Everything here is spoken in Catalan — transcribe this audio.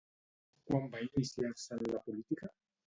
Quan va iniciar-se en la política?